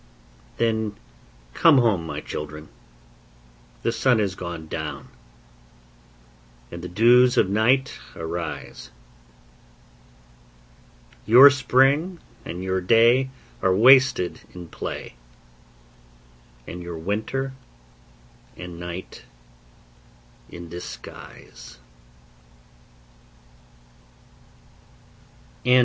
Then come home, my children, the sun is gone down, And the dews of night arise; Your spring and your day are wasted in play, And your winter and night in disguise.